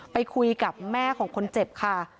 ไปคุยกับแม่ของคนเจ็บค่ะ